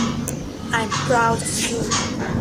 I'm proud of you.